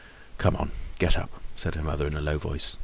"Come, get up," said her mother in a low voice.